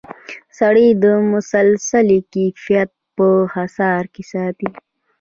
سړی د مسلسل کیفیت په حصار کې ساتي.